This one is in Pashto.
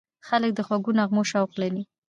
خلک د خوږو نغمو شوق لري.